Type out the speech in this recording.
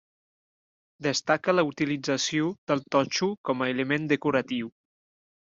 Destaca la utilització del totxo com a element decoratiu.